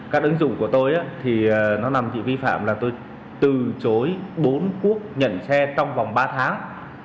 các ứng dụng của tôi thì nó nằm chỉ vi phạm là tôi từ chối bốn cuốc nhận xe trong vòng ba tháng